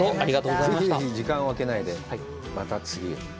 ぜひぜひ、時間を空けないで、また次へ。